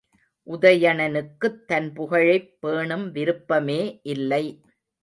உதயணனுக்குத் தன் புகழைப் பேணும் விருப்பமே இல்லை.